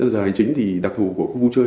giờ hành chính thì đặc thù của khu vui chơi